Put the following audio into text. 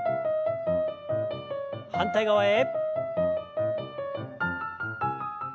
反対側へ。